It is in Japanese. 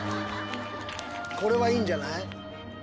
これはいいんじゃない。